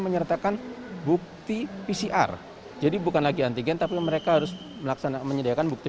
menyertakan bukti pcr jadi bukan lagi antigen tapi mereka harus melaksanakan menyediakan bukti